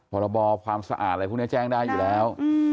พรบความสะอาดอะไรพวกนี้แจ้งได้อยู่แล้ว